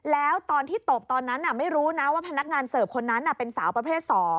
แล้วตอนที่ตบตอนนั้นไม่รู้นะว่าพนักงานเสิร์ฟคนนั้นเป็นสาวประเภท๒